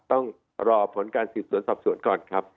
ต้องรอผลการสืบสวนสอบสวนก่อนครับ